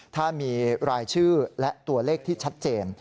ถ้ามีรายชื่อและตัวเลขที่ชัดเจน